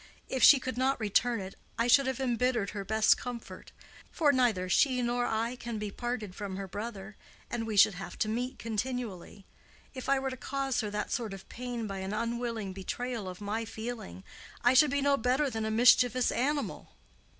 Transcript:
If she could not return it, I should have embittered her best comfort; for neither she nor I can be parted from her brother, and we should have to meet continually. If I were to cause her that sort of pain by an unwilling betrayal of my feeling, I should be no better than a mischievous animal."